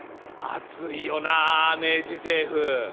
熱いよな明治政府。